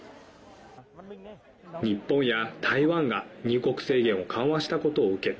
日本や台湾が入国制限を緩和したことを受け